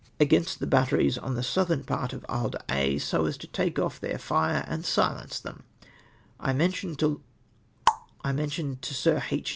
against the batteries on tlie southern part of He d'Aix, so as to take off their fire and silence them. I mentioned to Sir H.